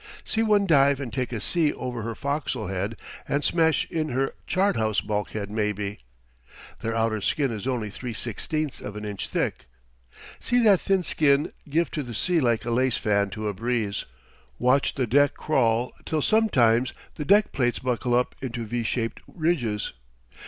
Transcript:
See one dive and take a sea over her fo'c's'le head and smash in her chart house bulkhead maybe! Their outer skin is only 3/16 of an inch thick. See that thin skin give to the sea like a lace fan to a breeze! Watch the deck crawl till sometimes the deck plates buckle up into V shaped ridges!